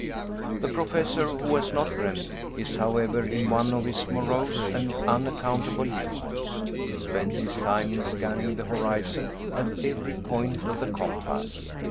The Professor, who has not dreamed, is, however, in one of his morose and unaccountable humors. Spends his time in scanning the horizon, at every point of the compass.